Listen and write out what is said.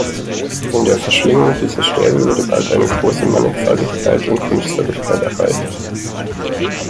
In der Verschlingung dieser Stäbe wurde bald eine große Mannigfaltigkeit und Kunstfertigkeit erreicht.